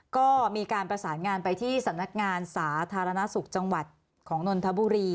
ก็มีการประสานงานไปที่สำนักงานสาธารณสุขจังหวัดของนนทบุรี